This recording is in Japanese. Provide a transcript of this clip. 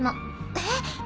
えっ！？